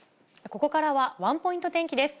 ここからは、ワンポイント天気です。